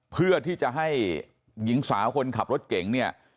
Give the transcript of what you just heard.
เพื่อที่จะให้หญิงสาวคนขับรถเก่งเนี่ย